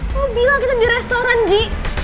lu bilang kita di restoran ji